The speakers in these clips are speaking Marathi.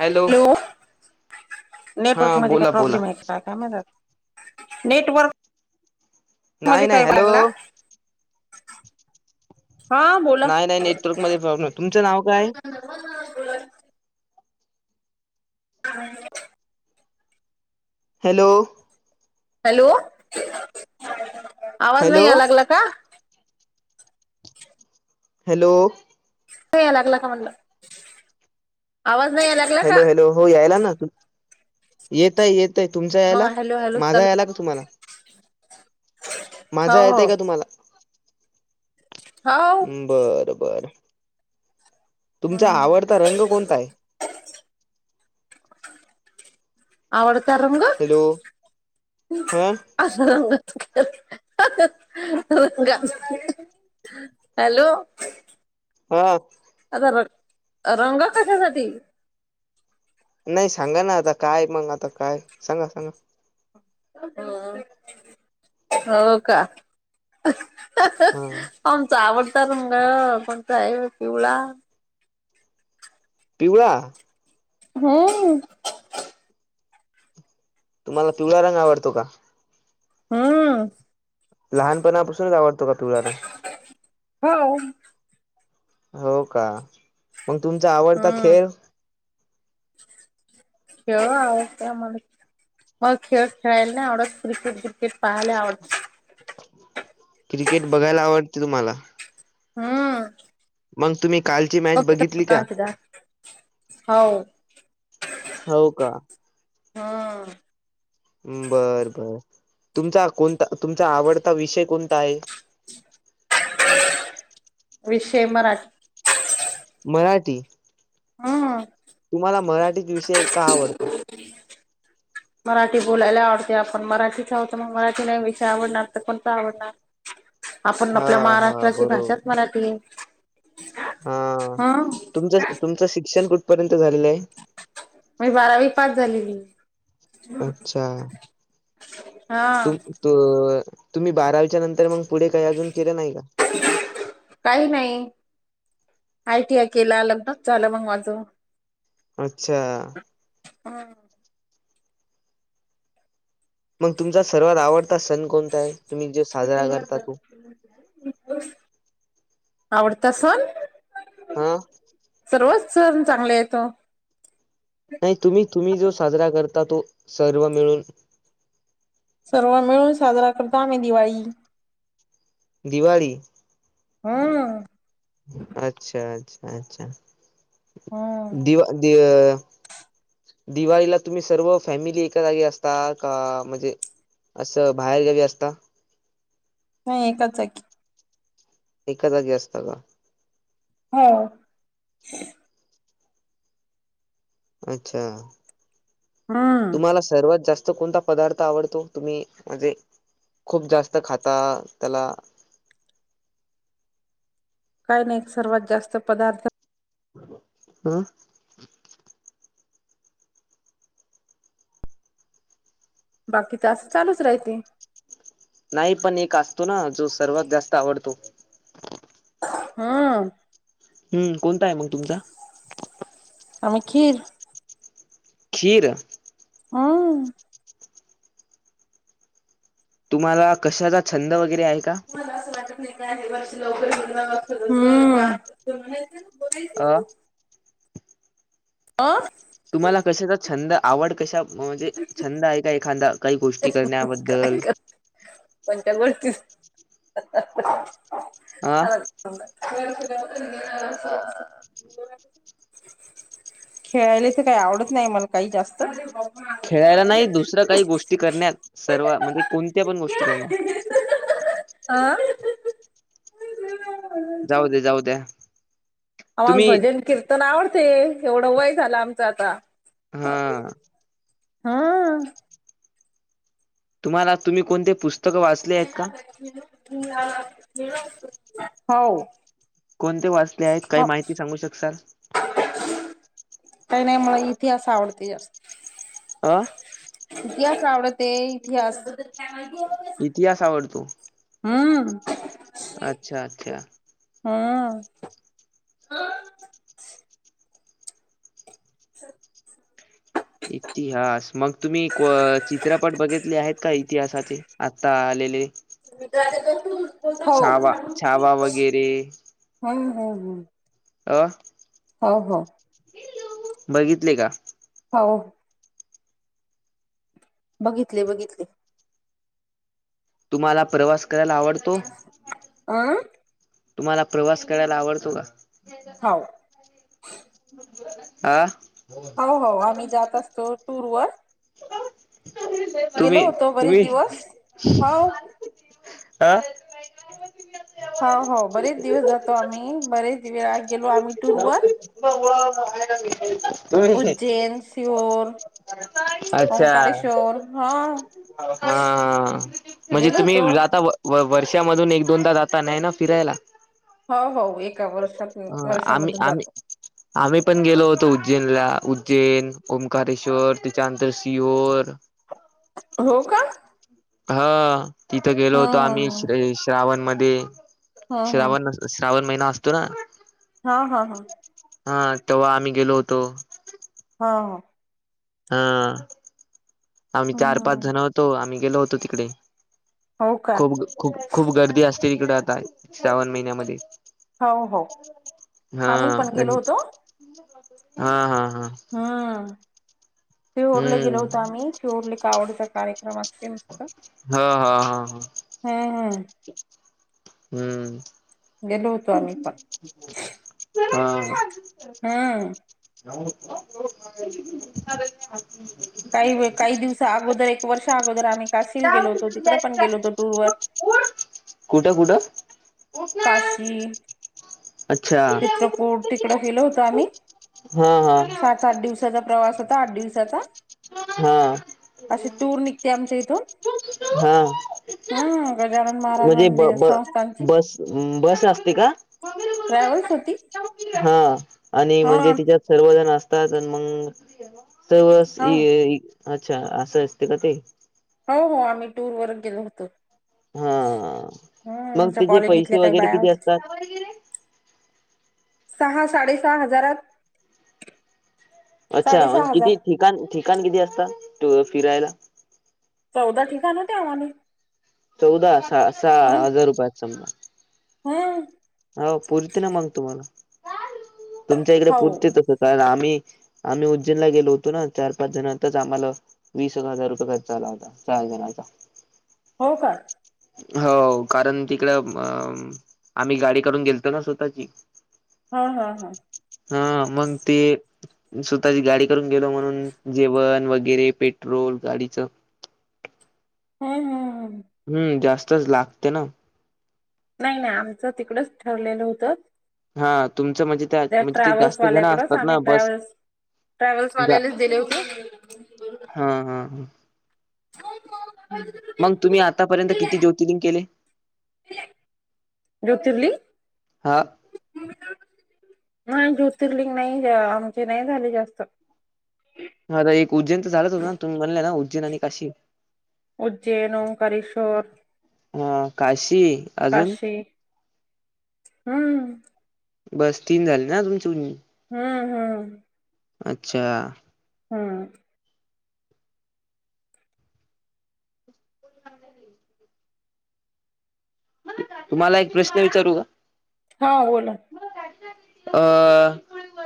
हॅलो हा नेटवर्क मध्ये काय बोला बोला प्रॉब्लेम आहे का? काय माहित आत नेटवर्क मध्ये नाही नाही काय हॅलो लागला हा. बोला नाही नाही नेटवर्क मध्ये प्रॉब्लेम तुमचं नाव काय? [inaudible] [inaudible] हॅलो. हॅलो आवाज हॅलो नाही या लागला का? हॅलो. नाही याय लागला का म्हणलं आवाज नाही यायला लागला का? हॅलो हॅलो हो यायला ना येतोय येतोय तुमचा यायला मग हॅलो हॅलो माझा चालू यायला का तुम्हाला? माझा हो हो येतोय का तुम्हाला? हो बर बर तुमचा आवडता रंग कोणता आहे? [inaudible] आवडता रंग. हॅलो हा [unintelligible] हॅलो. हा. माझा रंग रंग कशासाठी? नाही सांगा ना आता काय मग आता काय सांगा सांगा. अ हो का. हा आमचा आवडता रंग कोणता आहे पिवळा. पिवळा? हम्म. तुम्हाला पिवळा रंग आवडतो का? हम्म. लहान पणापासूनच आवडतो का पिवळा रंग. हो. हो का मग तुमचा आवडता हम्म खेळ. खेळ [unintelligible] मग खेळ खेळायला नाही आवडत क्रिकेट ब्रिकेट पाहाले आवडते. क्रिकेट बघायला आवडते तुम्हाला. हम्म. मंग तुम्ही कालची मॅच बघितली का? [unintelligible] हाव. हव का. हा. बर बर तुमचा कोणता. तुमचा आवडता विषय कोणता आहे. विषय मराठी मराठी हम्. तुम्हाला मराठीत विषय का आवडतो. हम् [unintelligible] मराठी बोलायला आवडते. आपण मराठीच आहतो. मग मराठी नाही विषय आवडणार तर कोणत आवडणार. हा णआपल्या हा महाराष्ट्राची भाषाच बरोबर मराठी आहे. हा. हं तुमचं तुमचं शिक्षण कुठपर्यंत झालेलं आहे. बारावी पाच झालेली. अच्छा. हा तु तुम्ही बारावीच्या नंतर मग पुढे काही अजून केलं. नाही का? काही नाही आयटी, आय केला लग्नच झालं. मग माझं. अच्छा. हम. मग तुमचा सर्वात आवडता सण कोणता आहे. तुम्ही जो साजरा करता तो. आवडता सण हा. सर्वच सण चांगले हो. नाही तुम्ही तुम्ही जो साजरा करता. तो सर्व मिळून सर्व मिळून साजरा करतो आम्ही दिवाळी दिवाळी. हम्म अच्छा अच्छा. अच्छा. हम्म दिवा. दिवाळीला तुम्ही सर्व फॅमिली एका जागी असता. का म्हणजे असं बाहेर गेवी असता. नाही एकच जागी एका जागी असत का? हो. अच्छा. हा. तुम्हाला सर्वात जास्त कोणता पदार्थ आवडतो. तुम्ही म्हणजे खूप जास्त खाता. त्याला काही नाही सर्वात. जास्त पदार्थ हं. बाकी तर असं चालूच राहते. नाही पण एक असतो. ना जो सर्वात जास्त आवडतो. हम्म. हम्म कोणता आहे. मग तुमचा? आखीर. खीर हम. तुम्हाला, कशाचा छंद वगैरे आहे का? मला असं वाटत नाही. का वर्ष लवकर. अ. फ [unintelligible] तुम्हाला कशाचा छंद आवड कशा म्हणजे छंद आहे. का एखादा. काही गोष्टी करण्याबद्दल काय करू? कोणत्या गोष्टी अ [unintelligible] खेळायला, इथे काही आवडत नाही मला काही जास्त. खेळायला नाही. दुसरं काही, गोष्टी करण्यात सर्व. म्हणजे कोणत्या पण गोष्टी करण्यात आ? जाऊ दे, जाऊ द्या. आम्हाला, तुम्ही भजन-कीर्तन आवडते. एवढं वय झालं, आमचं आता. हा हम्म्... तुम्हाला, तुम्ही कोणते पुस्तक वाचले आहेत का? [unintelligible] गेलो असतो, हो. कोणते वाचले आहेत? काही हो माहिती सांगू शकतालं? काही नाही, मला इतिहास आवडते जास्त. आं? इतिहास आवडते, इतिहास. इतिहास, आवडतो. हम्म्... अच्छा-अच्छा. हम्म्. [unintelligible] इतिहास. मग तुम्ही, को चित्रपट बघितले आहेत का इतिहासाचे? आता आलेले. मी, दाद्याचा फोन. छावा, छावा वगैरे. हम्म.. हम्.. हम्. अ..? हो, हो. बघितले का? हा, हो. बघितले-बघितले. तुम्हाला, प्रवास करायला आवडतो? अं तुम्हाला, प्रवास करायला आवडतो का? हो. आ..? हो, हो. आम्ही, जात असतो टूर वर. तुम्ही. गेलो होतो बरेच तुम्ही, दिवस हो आ..? पार्वती, ज्ञानदेव. हो, हो. बरेच दिवस जातो आम्ही. बरेच वेळा गेलो आम्ही टूर वर [unintelligible] [inaudible] उज्जैन, सिओर. [unintelligible] अच्छा. हा हा, म्हणजे गेलो तुम्ही होतो. जाताव? व-वर्षामधून, एक-दोनदा जाता नाही ना फिरायला? हो, हो. एका वर्षातनं, वर्ष आम्ही-आम्ही. आम्ही पण गेलो होतो उज्जैनला उज्जैन ओंकारेश्वर त्याच्यानंतर सिहोर- हो का? हा तिथे गेलो होतो आम्ही हम्म हम्म श- श्रावण म हम्म हम्म श्रावण श्रावण महिना असतो ना. हा.. हा.. हा. हा. तेव्हा, आम्ही गेलो होतो. हा.. हा. हा..., आम्ही चार-पाच हम्म जण होतो. आम्ही गेलो होतो, तिकडे. हो का? खूप. खूप-खूप गर्दी असते तिकडे, आता श्रावण महिन्यामध्ये. हो हो हा आम्ही पण गेलो होतो. हा हा हा. हम्म शिहोरले गेलो हम्म होत आम्ही शिहोरले का आवडीचा कार्यक्रम असतो. ते मस्त हा हा हा ह हम हम. हम्म. गेलो होतो आम्ही पण ह. [inaudible] हम्म. [inaudible] काही काही दिवस अगोदर. एक वर्ष अगोदर. आम्ही काशीला गेलो होतो. तिकडें पण गेलो होतो टूरवर. कुठं कुठं? काशी. अच्छा चित्रकूट तिकड गेलो होतं आम्ही. हा हा सात सात दिवसाचा प्रवास होता. आठ दिवसाचा. हा. असे टूर निघते. आमच्या इथून. ह. हम्म. गजानन महाराजंदि संस्थांची. अम्म बस असते का? ट्रॅव्हल्स होती. ह. आणि हा म्हणजे तिच्यात सर्वजण असतात. मग सवस हो अच्छा, असं असते का ते? हो, हो. आम्ही टूरवर गेलो होतो. हा हम्म. मग आमच्या त्याचे पैसे कॉलनीतल्या काही वगैरे बाया किती होत्या. असतात? सहा, साडे सहा हजारात अच्छा, मण साडेसहा किती हजार ठिकाण, ठिकाण किती असता? फिरायला? चौदा ठिकाण होते आम्हाला. चौदा. सहा सहा हजार रुपयात समजा. हम्म. हो पूर्ती ना मग तुम्हाला. तुमच्या इकडे हो पूर्ती तस. कारण आम्ही आम्ही उज्जैनला गेलो होतो ना. चार पाच जणातच आम्हाला वीस हजार रुपये खर्च आला होता. चार जणचा. हो का? हो कारण तिकडं, अ आम्ही गाडी करून गेलतो ना. स्वतःची. ह. ह. ह. ह. मग ते स्वतःची गाडी करून गेलो म्हणून. जेवण वगैरे, पेट्रोल गाडीचं. हम्म, हम्म, हम्म, हम्म. हम्म. जास्तच लागते ना. नाही नाही. आमचं तिकडच ठरलेलं होतं. हा तुमं म्हणजे त्या म्हणजे ते ट्रॅव्हल्स जास्त जण वाल्याकडच. असतात आम्ही ना बस ट्रॅव्हल्स, ट्रॅव्हल्स वाल्यालाच दिले होते. ह, ह, ह. मग तुम्ही आतापर्यंत किती जोतीलिंग केले. ज्योतिर्लिंग. हा नाही ज्योतिर्लिंग नाही. आमचे नाही झाले जास्त. म आता एक उज्जैनचं झालंच होतं ना. तुम्ही म्हणल्या ना उज्जैन आणि काशी. उज्जैन, ओंकारेश्वर. हा काशी. अजून काशी. हम्म. बस तीन झाले ना तुमची हम्म हम्म. अच्छा. ह. कोण म्हणजे मी [unintelligible] तुम्हाला एक प्रश्न विचारू का? हा बोला. अ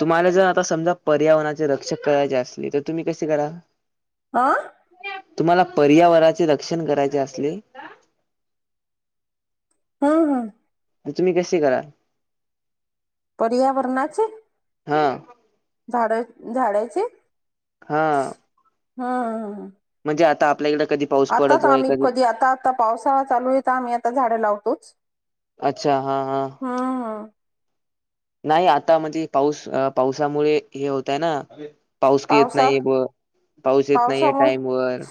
तुम्हाला जर आता समजा पर्यावरणाचे रक्षक करायचे असले तर तुम्ही कसे कराल. अं. तुम्हाला पर्यावराचे रक्षण करायचे असले. हं हं. आणि तुम्ही कसे कराल. पर्यावरणाचे. हा. झाडं झाडाचे. हा. हं हं हं हं. म्हणजे आता आपल्या इकडं कधी पाऊस आता तर पडतोय आम्ही कधी आता आता पावसाळा चालूए तर आम्ही आता झाडं लावतोच. अच्छा हा हा. हम्म नाही आता म्हणजे पाऊस पावसामुळे हे होतंय ना. पाऊस का येत पावसा नाहीय ब पाऊस येत नाहीये पावसामुळे टाइम वर.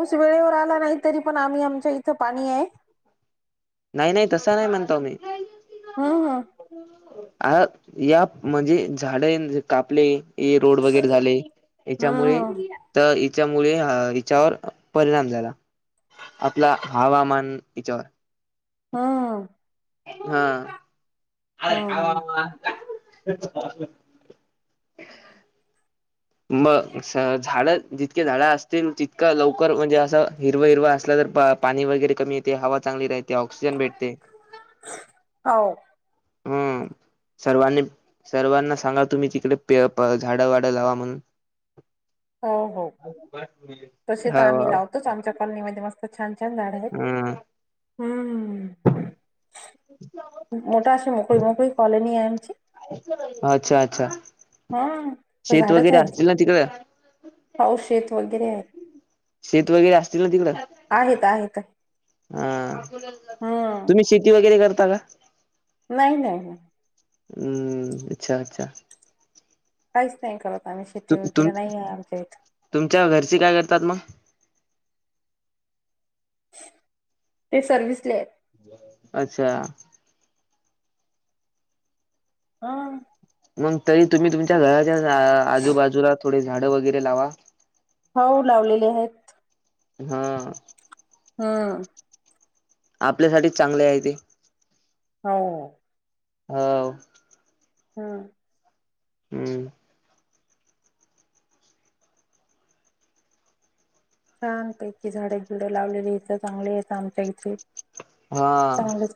ऊस वेळेवर आला नाही तरी पण आम्ही आमच्या इथं पाणी ए नाही नाही तसं नाही म्हणतो मी. हा हा. आ या म्हणजे झाडे कापले हे रोड वगैरे झाले. हेच्यामुळे हम्म त हेच्यामुळे अ हेच्यावर परिणाम झाला. आपला हवामान हेच्यावर. ह ह हा. हम्म मग झाडं जितके झाडं असतील तितकं लवकर म्हणजे असं हिरव हिरव असला तर बा पाणी वगैरे कमी येते हवा चांगली राहते ऑक्सिजन भेटते. हो. हम. सर्वांनी सर्वांना सांगा तुम्ही तिकडे पे प झाडं वाडं लावा म्हणून. [unintelligible] हो हो. [unintelligible] तसे तर आम्ही लावतोच आमच्या कॉलनीमध्ये मस्त छान छान झाडं आहेत. हम्म मोठ अशीे मोकळी मुकळी कॉलनी आहे आमची अच्छा अच्छा! हा तर शेत झाडंच वगैरे आहेत असतील ना तिकडं पाऊस शेत वगैरे आहे. शेत वगैरे असतील ना तिकडं. आहेत आहेत हा हम्म तुम्ही शेती वगैरे करता का. नाही नाही. हम्म अच्छा अच्छा. काहीच नाही करत आम्ही शेती तुम तुम वगैरे नाही आहे आमच्या इथ. तुमच्या घरची काय करतात मग. ते सर्विसले आहेत. अच्छा! हा. मग तरी तुम्ही तुमच्या घराच्या आजूबाजूला थोडे झाडं वगैरे लावा. हो लावलेले आहेत. हा. हम. आपल्यासाठी चांगले आहे ते. हो हो हम हम्म छानपैकी झाडे बिडं लावलेली इथं चांगली आहेत आमच्या इथे. हा. चांगले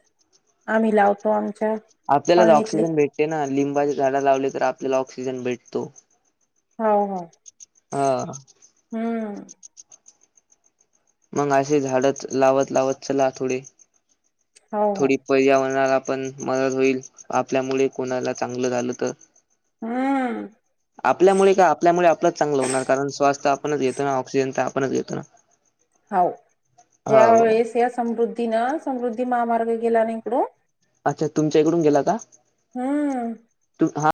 आम्ही लावतो आम आपल्यालाच ऑक्सिजन भेटते ना लिंबाच्या झाड लावले तर आपल्याला ऑक्सिजन भेटतो. हाव हाव हा हम्म मग असे झाडच लावत लावत चला थोडे. हाव हाव थोडी पर्यावरणाला पण मदत होईल आपल्यामुळे कोणाला चांगलं झालं तर हम्म आपल्यामुळे का आपल्यामुळे आपलंच चांगलं होणार कारण स्वास्थ्य आपणच घेतो ना ऑक्सिजन तर आपणच घेतो ना. [inaudible] हाव या हो वेळेस या समृद्धी ना समृद्धी महामार्ग गेला ना इकड. अच्छा तुमच्या इकडून गेला का? हम्म तू हा